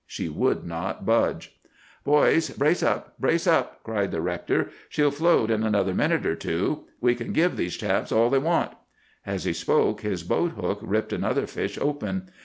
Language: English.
She would not budge. "'Boys, brace up! brace up!' cried the rector. 'She'll float in another minute or two. We can give these chaps all they want.' As he spoke, his boat hook ripped another fish open.